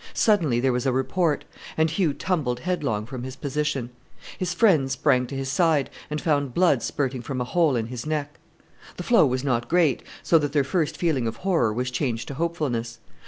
Suddenly there was a report, and Hugh tumbled headlong from his position. His friends sprang to his side, and found blood spurting from a hole in his neck. The flow was not great, so that their first feeling of horror was changed to hopefulness.